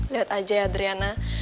lihat aja ya adriana